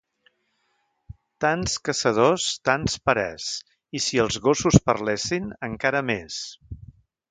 Tants caçadors, tants parers i, si els gossos parlessin, encara més.